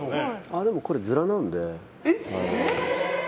でも、これヅラなんで。